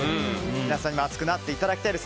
皆さんにも熱くなっていただきたいです。